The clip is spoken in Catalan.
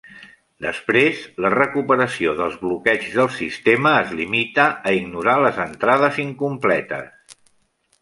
Després, la recuperació dels bloqueigs del sistema es limita a ignorar les entrades incompletes.